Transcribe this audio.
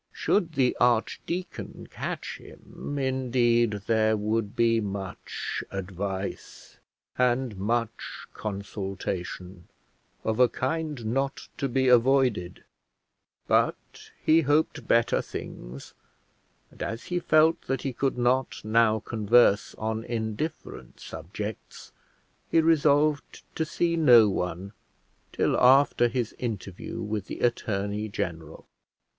Should the archdeacon catch him, indeed, there would be much advice, and much consultation of a kind not to be avoided; but he hoped better things; and as he felt that he could not now converse on indifferent subjects, he resolved to see no one till after his interview with the attorney general.